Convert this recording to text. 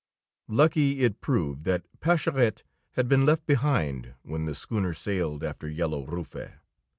Lucky it proved that Pascherette had been left behind when the schooner sailed after Yellow Rufe.